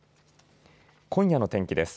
今夜の天気です。